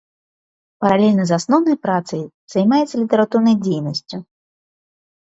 Паралельна з асноўнай працай займаецца літаратурнай дзейнасцю.